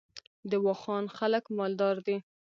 د واخان خلک مالدار دي